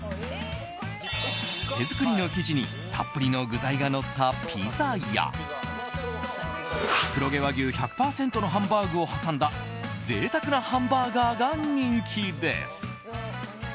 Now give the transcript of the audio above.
手作りの生地にたっぷりの具材がのったピザや黒毛和牛１００％のハンバーグを挟んだ贅沢なハンバーガーが人気です。